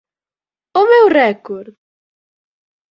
O meu récord?